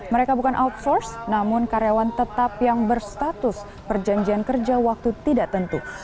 mereka bukan outsource namun karyawan tetap yang berstatus perjanjian kerja waktu tidak tentu